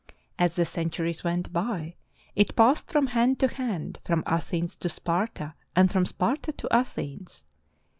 As the centuries went by, it passed from hand to hand, from Athens to Sparta, and from Sparta to Athens.